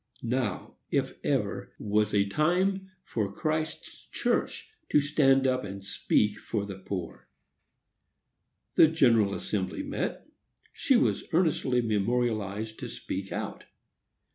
Now, if ever, was a time for Christ's church to stand up and speak for the poor. The General Assembly met. She was earnestly memorialized to speak out.